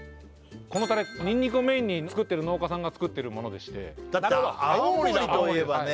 このタレニンニクをメインに作ってる農家さんが作ってるものでしてだって青森といえばね